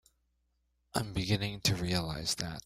I'm beginning to realize that.